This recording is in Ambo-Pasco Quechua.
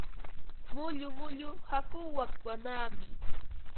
Mullu mullu hakuu makwanaami.